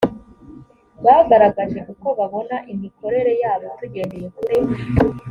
bagaragaje uko babona imikorere yabo tugendeye kuri